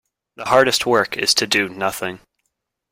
The hardest work is to do nothing.